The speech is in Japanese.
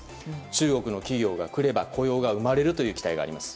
中国の企業が来れば雇用が生まれるという期待があります。